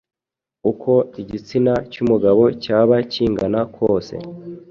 uko igitsina cy’umugabo cyaba kingana kose